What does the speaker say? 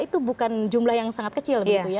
itu bukan jumlah yang sangat kecil